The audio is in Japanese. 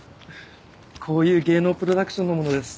こういう芸能プロダクションの者です。